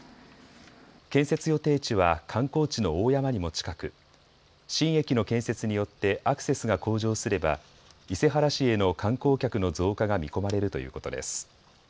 建設予定地は観光地の大山にも近く新駅の建設によってアクセスが向上すれば伊勢原市への観光客の増加が見込まれるということです。